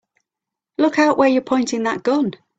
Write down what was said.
Look out where you're pointing that gun!